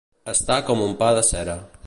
Estar com un pa de cera.